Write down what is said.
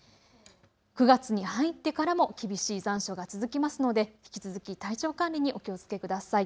９月に入ってからも厳しい残暑が続きますので引き続き体調管理にお気をつけください。